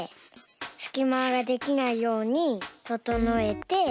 すきまができないようにととのえて。